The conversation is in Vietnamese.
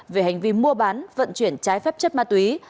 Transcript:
về hành vi mua bán vận chuyển trái phép chất ma túy